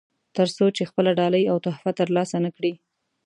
تر څو چې خپله ډالۍ او تحفه ترلاسه نه کړي.